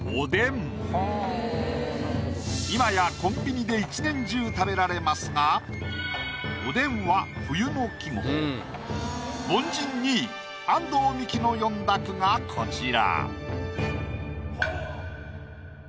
今やコンビニで一年中食べられますがおでんは凡人２位安藤美姫の詠んだ句がこちら。